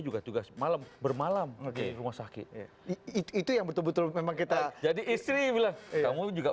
juga tugas malam bermalam oke rumah sakit itu yang betul betul memang kita jadi istri bilang kamu juga